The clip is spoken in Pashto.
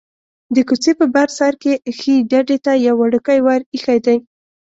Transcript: د کوڅې په بر سر کې ښيي ډډې ته یو وړوکی ور ایښی دی.